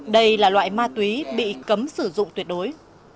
đây là loại ma túy bị cấm sử dụng tuyệt đối